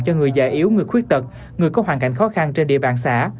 cho người già yếu người khuyết tật người có hoàn cảnh khó khăn trên địa bàn xã